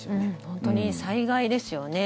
本当に災害ですよね。